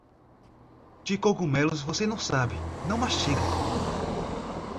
De cogumelos você não sabe, não mastiga.